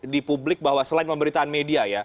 di publik bahwa selain pemberitaan media ya